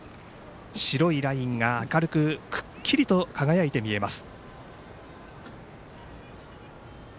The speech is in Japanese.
白いラインが明るくくっきりと輝いて見えます。